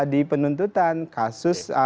di penuntutan kasus